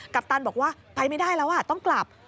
ปตันบอกว่าไปไม่ได้แล้วต้องกลับ